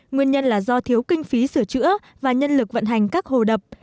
nguyên nhân là do thiếu kinh phí sửa chữa và nhân lực vận hành các hồ đập